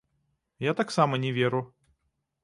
Я таксама не веру.